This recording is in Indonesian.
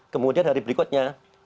kemudian hari berikutnya